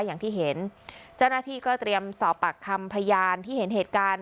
อย่างที่เห็นเจ้าหน้าที่ก็เตรียมสอบปากคำพยานที่เห็นเหตุการณ์